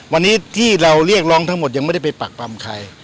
วันนี้ที่เราเรียกร้องทั้งหมดยังไม่ได้ไปปักปำใคร